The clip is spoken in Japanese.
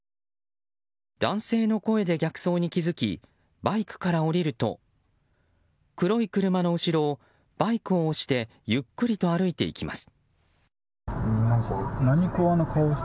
男性の声で逆走に気づきバイクから降りると黒い車の後ろをバイクを押してゆっくりと歩いていきます。